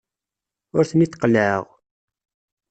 Ur ten-id-qellɛeɣ.